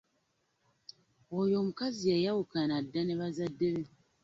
Oyo omukazi yayawukana dda ne bazadde be.